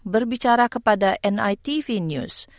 berbicara kepada nitv news